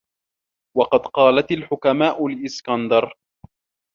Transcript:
وَقَدْ قَالَتْ الْحُكَمَاءُ لِلْإِسْكَنْدَرِ